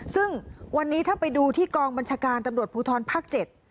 ซึ่งวันนี้ถ้าไปดูที่กองบัญชาการตำรวจภูทรภาค๗